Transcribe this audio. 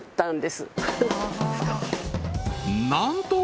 なんと！